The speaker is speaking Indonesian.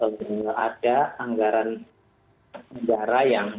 kalau ada anggaran negara yang